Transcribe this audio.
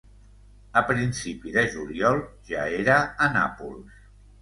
A principi de juliol ja era a Nàpols.